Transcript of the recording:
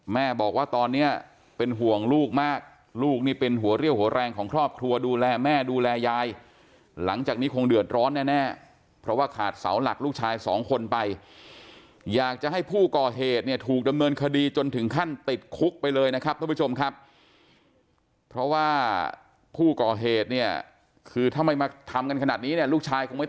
แม่บอกว่าตอนนี้เป็นห่วงลูกมากลูกนี่เป็นหัวเรี่ยวหัวแรงของครอบครัวดูแลแม่ดูแลยายหลังจากนี้คงเดือดร้อนแน่เพราะว่าขาดเสาหลักลูกชายสองคนไปอยากจะให้ผู้ก่อเหตุเนี่ยถูกดำเนินคดีจนถึงขั้นติดคุกไปเลยนะครับทุกผู้ชมครับเพราะว่าผู้ก่อเหตุเนี่ยคือถ้าไม่มาทำกันขนาดนี้เนี่ยลูกชายคงไม่